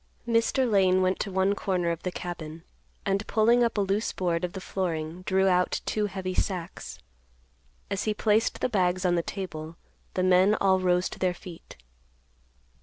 Mr. Lane went to one corner of the cabin, and, pulling up a loose board of the flooring, drew out two heavy sacks. As he placed the bags on the table, the men all rose to their feet.